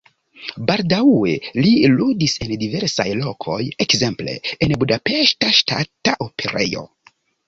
Baldaŭe li ludis en diversaj lokoj, ekzemple en Budapeŝta Ŝtata Operejo.